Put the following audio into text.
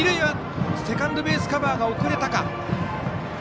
セカンドベースカバーが遅れたか。